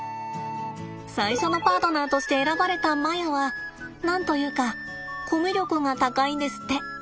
最初のパートナーとして選ばれたマヤは何と言うかコミュ力が高いんですって。